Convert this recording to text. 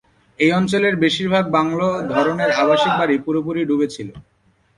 এই অঞ্চলের বেশিরভাগ বাংলো ধরনের আবাসিক বাড়ি পুরোপুরি ডুবে ছিল।